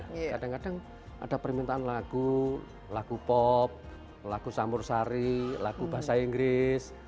kadang kadang ada permintaan lagu lagu pop lagu campur sari lagu bahasa inggris